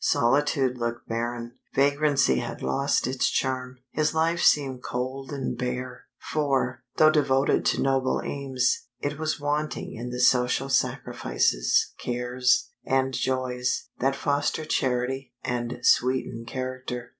Solitude looked barren, vagrancy had lost its charm; his life seemed cold and bare, for, though devoted to noble aims, it was wanting in the social sacrifices, cares, and joys, that foster charity, and sweeten character.